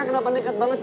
kenapa deket banget sih